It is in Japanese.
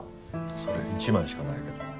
それ一枚しかないけど。